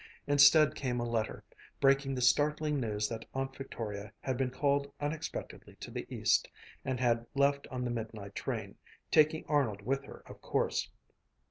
Instead came a letter, breaking the startling news that Aunt Victoria had been called unexpectedly to the East, and had left on the midnight train, taking Arnold with her, of course.